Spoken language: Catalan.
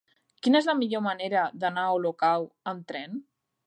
Quina és la millor manera d'anar a Olocau amb tren?